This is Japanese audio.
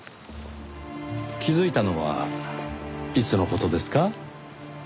気づいたのはいつの事ですか？